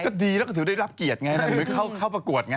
ก็ดีแล้วก็ถือได้รับเกียรติไงหรือเข้าประกวดไง